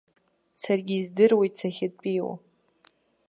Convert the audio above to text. Саргьы издыруеит сахьатәиу.